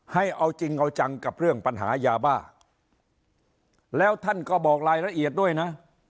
ให้เอาจริงเอาจังกับเรื่องปัญหายาบ้าแล้วท่านก็บอกรายละเอียดด้วยนะ